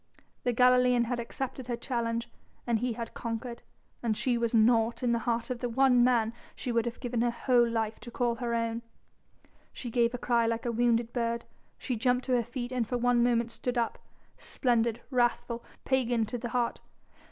The Galilean had accepted her challenge and he had conquered, and she was naught in the heart of the one man she would have given her whole life to call her own. She gave a cry like a wounded bird, she jumped to her feet, and for one moment stood up, splendid, wrathful, pagan to the heart.